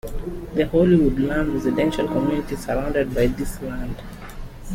The Hollywoodland residential community is surrounded by this land.